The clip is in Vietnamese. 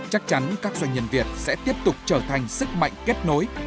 chắc chắn các doanh nhân việt sẽ tiếp tục trở thành sức mạnh kết nối